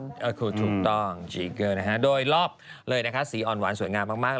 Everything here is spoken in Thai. ก็คือถูกต้องชีเกอร์นะฮะโดยรอบเลยนะคะสีอ่อนหวานสวยงามมาก